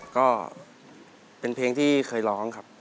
ก็เป็นเพลงที่เคยร้องครับ